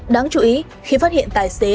đáng chú ý khi phát hiện tài xế